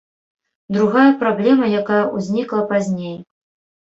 Другая праблема, якая ўзнікла пазней.